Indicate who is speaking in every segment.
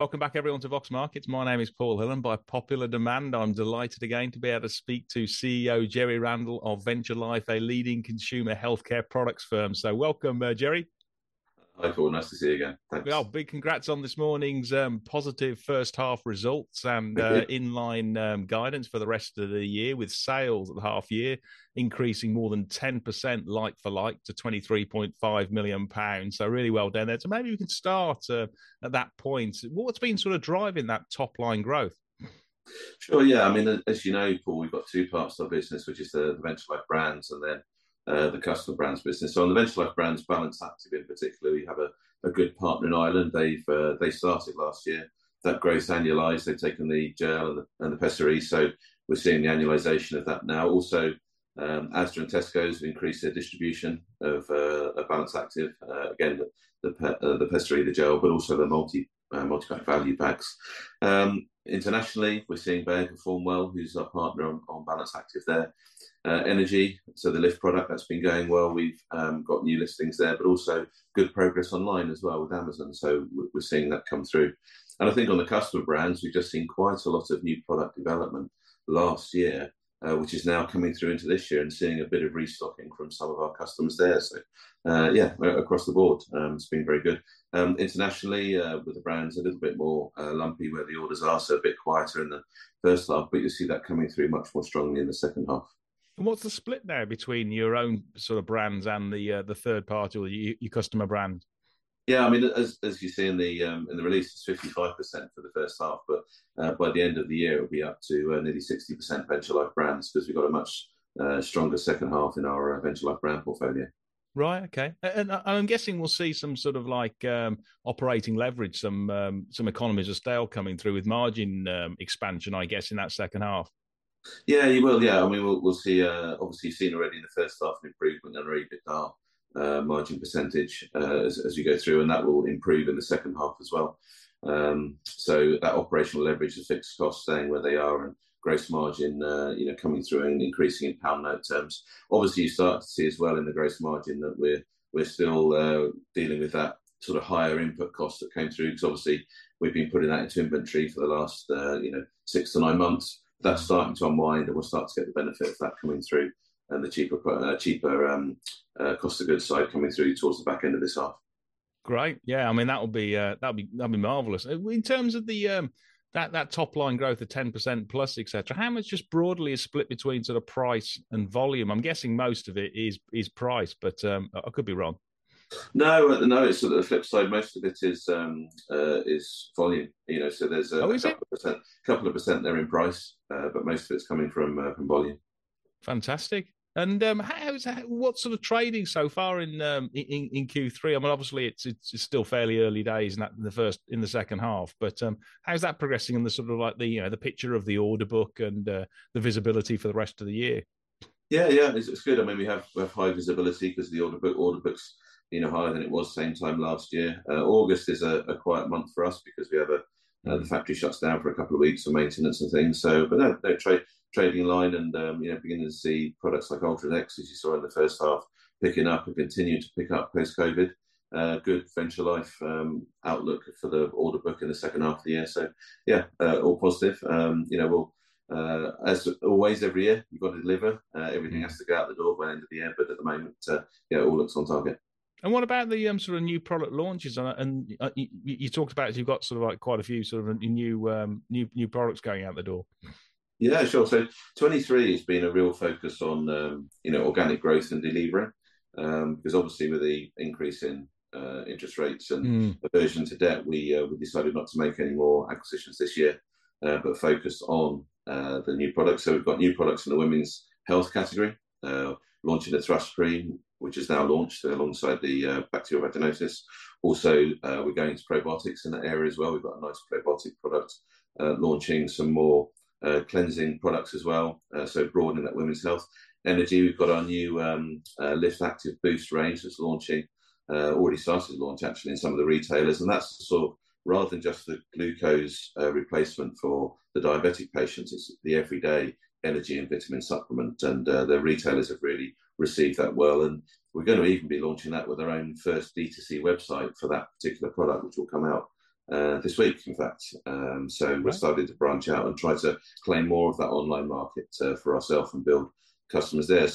Speaker 1: Welcome back, everyone, to Vox Markets. My name is Paul Hill, and by popular demand, I'm delighted again to be able to speak to CEO Jerry Randall of Venture Life, a leading consumer healthcare products firm. So welcome, Jerry.
Speaker 2: Hi, Paul. Nice to see you again. Thanks.
Speaker 1: Well, big congrats on this morning's positive first half results-
Speaker 2: Thank you.
Speaker 1: In-line, guidance for the rest of the year, with sales at the half year increasing more than 10% like-for-like to 23.5 million pounds. So really well done there. So maybe we can start, at that point. What's been sort of driving that top line growth?
Speaker 2: Sure, Paul, we've got two parts to our business, which is the Venture Life brands and then the customer brands business. So on the Venture Life brands, Balance Activ in particular, we have a good partner in Ireland. They started last year. That gross annualized, they've taken the gel and the pessary, so we're seeing the annualization of that now. Also, Asda and Tesco's increased their distribution of of Balance Activ. Again, the pessary, the gel, but also the multi-pack value packs. Internationally, we're seeing Bayer perform well, who's our partner on Balance Activ there. Energy, so the Lift product, that's been going well. We've got new listings there, but also good progress online as well with Amazon, so we're seeing that come through. I think on the customer brands, we've just seen quite a lot of new product development last year, which is now coming through into this year and seeing a bit of restocking from some of our customers there. So, across the board, it's been very good. Internationally, with the brands, a little bit more lumpy where the orders are, so a bit quieter in the first half, but you'll see that coming through much more strongly in the second half.
Speaker 1: And what's the split there between your own sort of brands and the third party or your customer brands?
Speaker 2: I mean, as you see in the release, it's 55% for the first half, but by the end of the year, it'll be up to nearly 60% Venture Life brands because we've got a much stronger second half in our Venture Life brand portfolio.
Speaker 1: Right. Okay. And I'm guessing we'll see some sort of like, operating leverage, some, some economies of scale coming through with margin, expansion, I guess, in that second half.
Speaker 2: we'll see obviously, you've seen already in the first half an improvement in our EBITDA margin percentage, as you go through, and that will improve in the second half as well. That operational leverage and fixed costs staying where they are and gross margin, coming through and increasing in pound note terms. Obviously, you start to see as well in the gross margin that we're still dealing with that sort of higher input costs that came through because obviously, we've been putting that into inventory for the last 6-9 months. That's starting to unwind, and we'll start to get the benefit of that coming through and the cheaper, cheaper cost of goods side coming through towards the back end of this half.
Speaker 1: Great, that would be, that'd be, that'd be marvellous. In terms of the, that top line growth of 10% plus, et cetera, how much just broadly is split between sort of price and volume? I'm guessing most of it is, is price, but I could be wrong.
Speaker 2: No, it's sort of the flip side. Most of it is volume, so there's. Is it? couple couple of percent there in price, but most of it's coming from, from volume.
Speaker 1: Fantastic. And, how is that, what sort of trading so far in Q3? I mean, obviously, it's still fairly early days in that, in the second half, but, how's that progressing in the sort of like, the picture of the order book and the visibility for the rest of the year?
Speaker 2: it's, it's good. I mean, we have, we have high visibility because the order book, order book's, higher than it was same time last year. August is a quiet month for us because we have a, the factory shuts down for a couple of weeks for maintenance and things. No, no, trade, trading line and, beginning to see products like UltraDEX, as you saw in the first half, picking up and continuing to pick up post-COVID. Good Venture Life outlook for the order book in the second half of the year. all positive. we'll, as always, every year, you've got to deliver. Everything has to go out the door by end of the year, but at the moment, all looks on target.
Speaker 1: What about the sort of new product launches? You talked about as you've got sort of like quite a few sort of new products going out the doorsure. So 2023 has been a real focus on, organic growth and delivering. Because obviously with the increase in, interest rates and-
Speaker 2: Aversion to debt, we decided not to make any more acquisitions this year, but focus on the new products. So we've got new products in the women's health category, launching the Thrush cream, which is now launched alongside the bacterial vaginosis. Also, we're going into probiotics in that area as well. We've got a nice probiotic product. Launching some more cleansing products as well, so broadening that women's health. Energy, we've got our new Lift Activ Boostrange that's launching, already started to launch actually in some of the retailers, and that's the sort of rather than just the glucose replacement for the diabetic patients, it's the everyday energy and vitamin supplement, and the retailers have really received that well. We're gonna even be launching that with our own first D2C website for that particular product, which will come out this week in fact. we're starting to branch out and try to claim more of that online market for ourself and build customers there.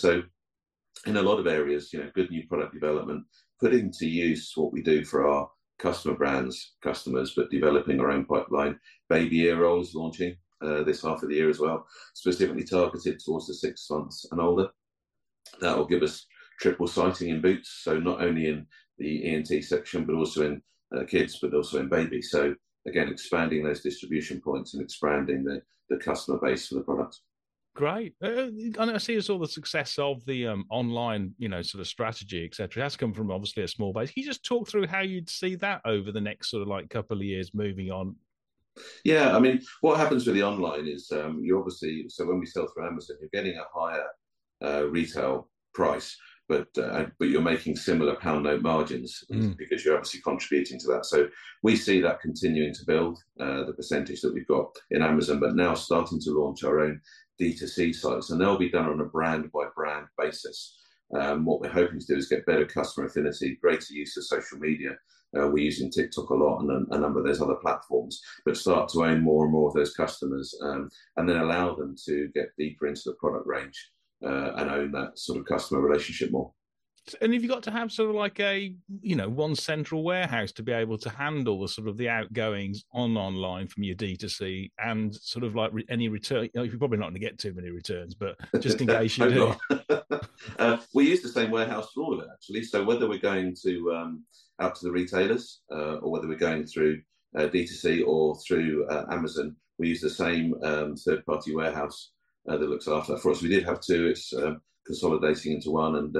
Speaker 2: In a lot of areas, good new product development, putting to use what we do for our customer brands, customers, but developing our own pipeline. Baby Earol is launching this half of the year as well, specifically targeted towards the six months and older. That will give us triple sighting in Boots, so not only in the ENT section, but also in kids, but also in baby. Again, expanding those distribution points and expanding the customer base for the product.
Speaker 1: Great. I see as well the success of the online, sort of strategy, et cetera, it has come from obviously a small base. Can you just talk through how you'd see that over the next sort of like couple of years moving on?
Speaker 2: What happens with the online is, you obviously so when we sell through Amazon, you're getting a higher retail price, but you're making similar pound note margins- Because you're obviously contributing to that. So we see that continuing to build the percentage that we've got in Amazon, but now starting to launch our own D2C sites, and they'll be done on a brand-by-brand basis. What we're hoping to do is get better customer affinity, greater use of social media. We're using TikTok a lot and a number of those other platforms. But start to own more and more of those customers, and then allow them to get deeper into the product range, and own that sort of customer relationship more.
Speaker 1: Have you got to have sort of like a, one central warehouse to be able to handle the sort of the outgoings on online from your D2C, and sort of like re- any return? you're probably not gonna get too many returns, but just in case you do.
Speaker 2: We use the same warehouse for all of it, actually. So whether we're going to out to the retailers, or whether we're going through D2C or through Amazon, we use the same third-party warehouse that looks after that for us. We did have two, it's consolidating into one, and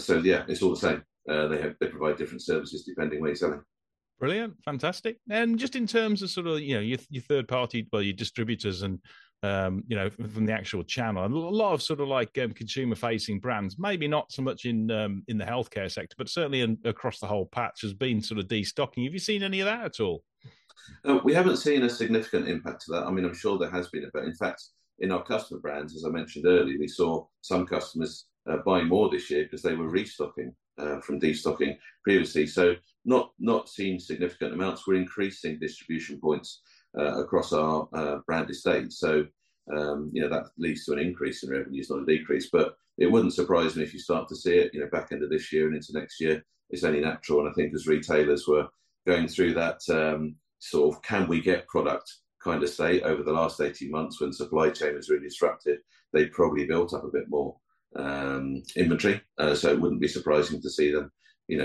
Speaker 2: so it's all the same. They provide different services depending where you're selling.
Speaker 1: Brilliant, fantastic. And just in terms of sort of, your third party, well, your distributors and, from the actual channel. A lot of sort of like, consumer-facing brands, maybe not so much in, in the healthcare sector, but certainly across the whole patch, has been sort of destocking. Have you seen any of that at all?
Speaker 2: We haven't seen a significant impact to that. I mean, I'm sure there has been a bit. In fact, in our customer brands, as I mentioned earlier, we saw some customers buying more this year 'cause they were restocking from destocking previously. So not, not seeing significant amounts. We're increasing distribution points across our brand estate. So, that leads to an increase in revenues, not a decrease, but it wouldn't surprise me if you start to see it, back end of this year and into next year. It's only natural, and I think as retailers, we're going through that sort of can we get product kind of state over the last 18 months when supply chain was really disrupted. They probably built up a bit more inventory. So it wouldn't be surprising to see them,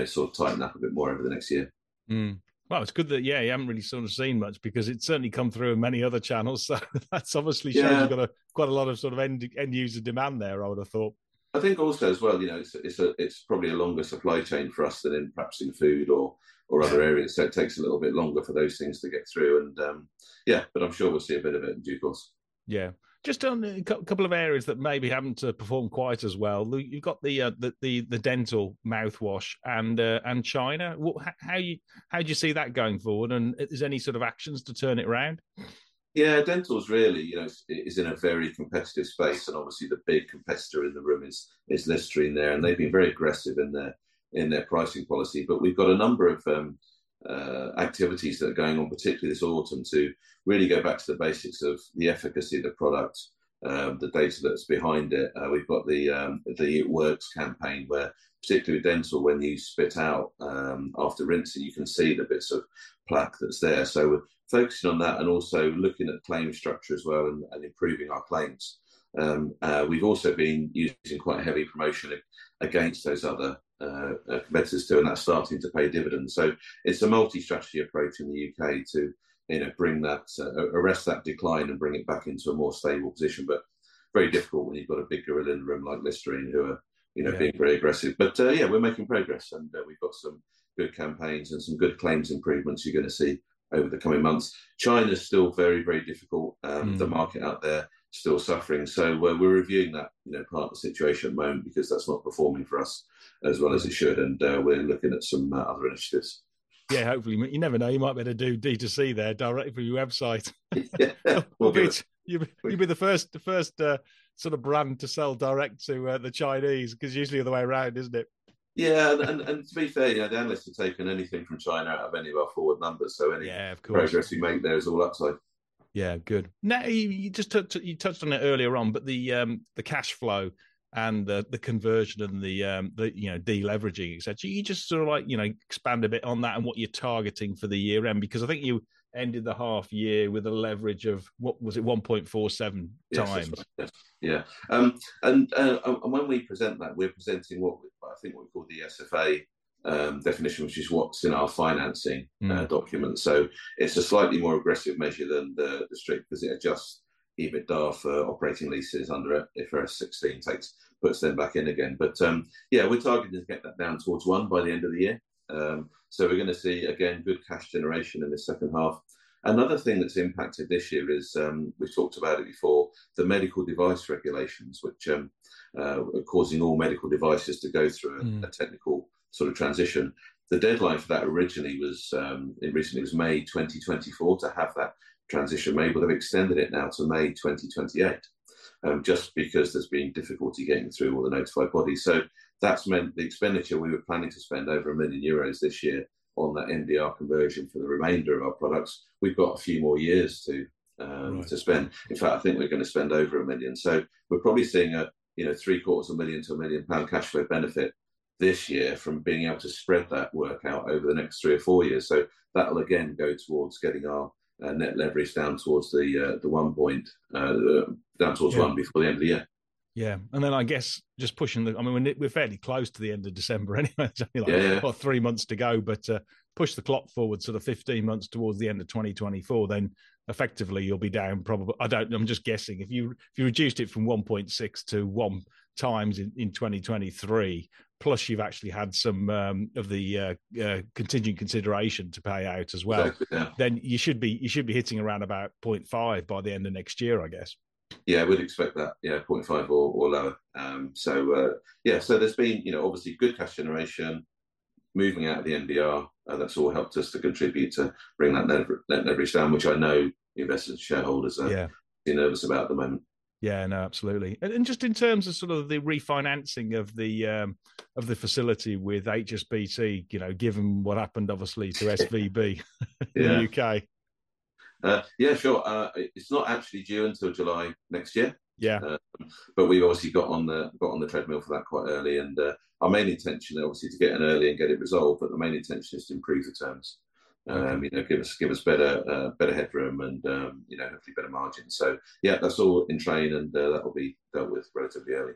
Speaker 2: sort of tighten up a bit more over the next year.
Speaker 1: Well, it's good that, you haven't really sort of seen much, because it's certainly come through in many other channels, so that's obviously- shows you've got a quite a lot of sort of end-user demand there, I would've thought.
Speaker 2: I think also as well, it's probably a longer supply chain for us than perhaps in food or other areas.
Speaker 1: Sure.
Speaker 2: It takes a little bit longer for those things to get through, and, but I'm sure we'll see a bit of it in due course..
Speaker 1: Just on a couple of areas that maybe haven't performed quite as well. You've got the dental mouthwash and China. What... How do you see that going forward, and is there any sort of actions to turn it around?
Speaker 2: Dentyl's really, is in a very competitive space, and obviously the big competitor in the room is Listerine there, and they've been very aggressive in their pricing policy. We've got a number of activities that are going on, particularly this autumn, to really go back to the basics of the efficacy of the product, the data that's behind it. We've got the Works campaign, where particularly with Dentyl, when you spit out after rinsing, you can see the bits of plaque that's there. We're focusing on that and also looking at claim structure as well and improving our claims. We've also been using quite a heavy promotion against those other competitors too, and that's starting to pay dividends. So it's a multi-strategy approach in the UK to, bring that... arrest that decline and bring it back into a more stable position. But very difficult when you've got a big gorilla in the room like Listerine, who are, - Being very aggressive. But, we're making progress, and, we've got some good campaigns and some good claims improvements you're gonna see over the coming months. China's still very, very difficult The market out there, still suffering. So we're reviewing that, partner situation at the moment because that's not performing for us as well as it should, and we're looking at some other initiatives..
Speaker 1: Hopefully, you never know, you might be able to do D2C there directly from your website.
Speaker 2: we'll do it.
Speaker 1: You'd be the first sort of brand to sell direct to the Chinese, 'cause usually the other way around, isn't it?
Speaker 2: To be fair, the analysts have taken anything from China out of any of our forward numbers, so any-
Speaker 1: of course.
Speaker 2: progress we make there is all upside.
Speaker 1: good. Now, you just touched, you touched on it earlier on, but the, the cash flow and the, the conversion and the, de-leveraging, et cetera. You just sort of like, expand a bit on that and what you're targeting for the year end, because I think you ended the half year with a leverage of, what was it? 1.47 times.
Speaker 2: Yes, that's right. Yes,. And when we present that, we're presenting what we, I think, what we call the SFA definition, which is what's in our financing- .Document. So it's a slightly more aggressive measure than the strict, 'cause it adjusts EBITDA for operating leases under IFRS 16, puts them back in again. But, we're targeting to get that down towards one by the end of the year. So we're gonna see, again, good cash generation in this second half. Another thing that's impacted this year is, we've talked about it before, the medical device regulations, which, are causing all medical devices to go through- A technical sort of transition. The deadline for that originally was May 2024 to have that transition made, but they've extended it now to May 2028, just because there's been difficulty getting through all the notified bodies. That's meant the expenditure we were planning to spend over 1 million euros this year on that MDR conversion for the remainder of our products, we've got a few more years to—
Speaker 1: Right
Speaker 2: To spend. In fact, I think we're gonna spend over 1 million. We're probably seeing a, 750,000-1 million cash flow benefit this year from being able to spread that work out over the next three or four years. That'll again go towards getting our, net leverage down towards the, 1 point, down towards 1- .before the end of the year.
Speaker 1: Then, I guess just pushing the... I mean, we're fairly close to the end of December anyway. You've got three months to go, but push the clock forward sort of 15 months towards the end of 2024, then effectively you'll be down probably... I don't- I'm just guessing, if you reduced it from 1.6 to 1- times in 2023, plus you've actually had some of the contingent consideration to pay out as well- Then you should be, you should be hitting around about 0.5 by the end of next year, I guess.
Speaker 2: I would expect that. 0.5 or lower. So, so there's been, obviously good cash generation moving out of the MDR, and that's all helped us to contribute to bring that lever- net leverage down, which I know investors and shareholders are- A bit nervous about at the moment..
Speaker 1: No, absolutely. And just in terms of sort of the refinancing of the, of the facility with HSBC, given what happened obviously to SVB - In the U.K.
Speaker 2: sure. It's not actually due until July next year. But we've obviously got on the treadmill for that quite early, and our main intention obviously is to get in early and get it resolved, but the main intention is to improve the terms. Give us, give us better headroom and, hopefully better margins. So that's all in train, and that'll be dealt with relatively early.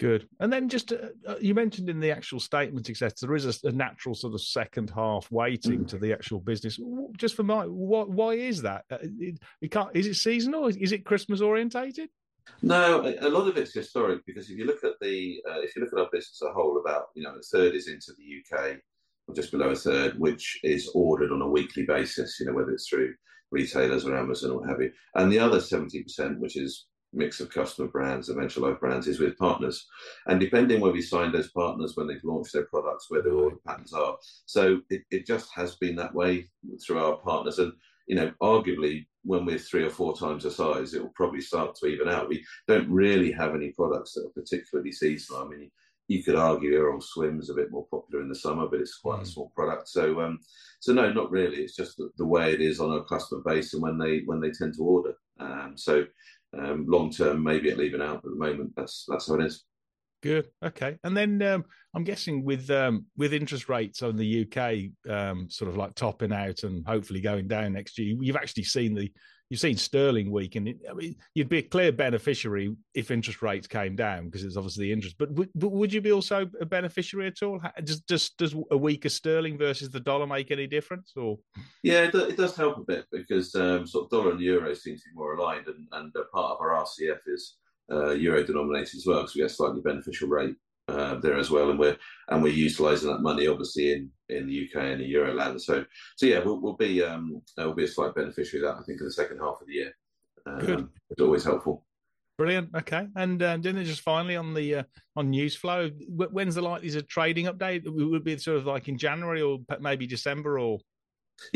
Speaker 1: Good. And then just, you mentioned in the actual statement success, there is a natural sort of second half weighting To the actual business. Well, just for me, why, why is that? It can't. Is it seasonal or is it Christmas-oriented?
Speaker 2: No, a lot of it's historic because if you look at the, if you look at our business as a whole, about, a third is into the U.K., or just below a third, which is ordered on a weekly basis, whether it's through retailers or Amazon or what have you. And the other 70%, which is mix of customer brands and Venture Life brands, is with partners. And depending when we signed those partners, when they've launched their products, where their order patterns are. So it just has been that way through our partners and, arguably, when we're three or four times the size, it'll probably start to even out. We don't really have any products that are particularly seasonal. I mean, you could argue our own swim's a bit more popular in the summer, but it's quite- A small product. No, not really, it's just the way it is on a customer base and when they tend to order. Long term, maybe it'll even out, but at the moment, that's how it is.
Speaker 1: Good. Okay. I'm guessing with interest rates in the U.K. sort of like topping out and hopefully going down next year, you've actually seen the... You've seen sterling weaken. I mean, you'd be a clear beneficiary if interest rates came down because it's obviously the interest, but would you be also a beneficiary at all? Does a weaker sterling versus the U.S. dollar make any difference or?
Speaker 2: it does help a bit because, sort of dollar and the euro seems to be more aligned, and part of our RCF is euro-denominated as well, so we have a slightly beneficial rate there as well, and we're utilizing that money obviously in the U.K. and the Euroland. we'll be, there will be a slight beneficiary of that, I think, in the second half of the year.
Speaker 1: Good.
Speaker 2: It's always helpful.
Speaker 1: Brilliant. Okay. And then just finally on the news flow, when's the likeliest trading update? Would it be sort of like in January or maybe December or?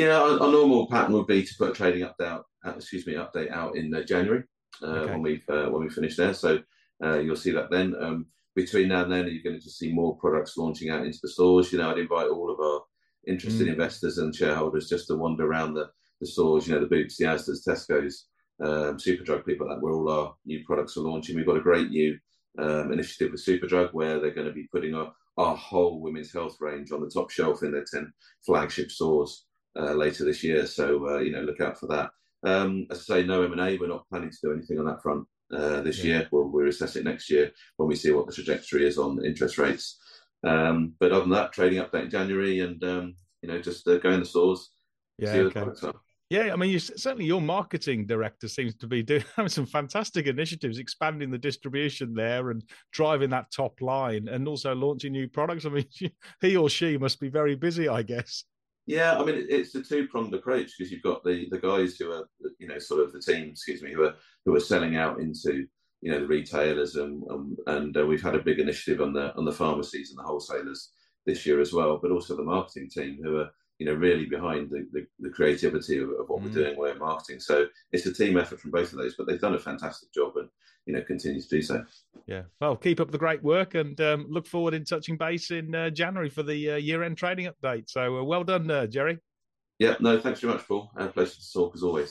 Speaker 2: our normal pattern would be to put a trading update out, excuse me, update out in January.
Speaker 1: Okay
Speaker 2: when we've finished there. So, you'll see that then. Between now and then, you're going to see more products launching out into the stores. I'd invite all of our- Interested investors and shareholders just to wander around the stores, the Boots, the Asdas, Tescos, Superdrug, people like that, where all our new products are launching. We've got a great new initiative with Superdrug, where they're gonna be putting up our whole women's health range on the top shelf in their 10 flagship stores, later this year. So, look out for that. As I say, no M&A, we're not planning to do anything on that front, this year. We'll assess it next year when we see what the trajectory is on the interest rates. But other than that, trading update in January, and just go in the stores-
Speaker 1: okay
Speaker 2: See what's up.
Speaker 1: Your marketing director seems to be doing some fantastic initiatives, expanding the distribution there and driving that top line, and also launching new products. I mean, she, he or she must be very busy, I guess.
Speaker 2: I mean, it's a two-pronged approach because you've got the guys who are, sort of the team, excuse me, who are selling out into, the retailers. And, and, we've had a big initiative on the, on the pharmacies and the wholesalers this year as well, but also the marketing team who are, really behind the, the, the creativity. What we're doing well in marketing. So it's a team effort from both of those, but they've done a fantastic job and, continue to do so..
Speaker 1: Well, keep up the great work, and look forward in touching base in January for the year-end trading update. So, well done, Jerry..
Speaker 2: No, thanks very much, Paul, and a pleasure to talk, as always.